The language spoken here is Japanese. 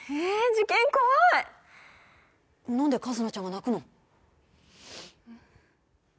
受験怖いっ何で一菜ちゃんが泣くの？